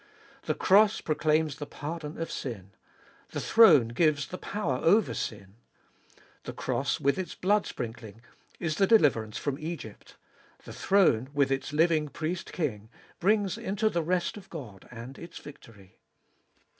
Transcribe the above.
The cross proclaims the pardon of sin ; the throne gives the power over sin. The cross, with its blood sprinkling, is the deliverance from Egypt; the throne, with its living Priest King, brings into the rest of God and its victory.